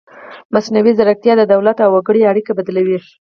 مصنوعي ځیرکتیا د دولت او وګړي اړیکه بدلوي.